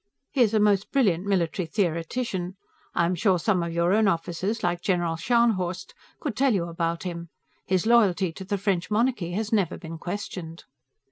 He is a most brilliant military theoretician; I am sure some of your own officers, like General Scharnhorst, could tell you about him. His loyalty to the French monarchy has never been questioned.